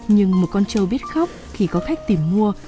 nhưng một con trâu biết khóc khi có khách tìm mua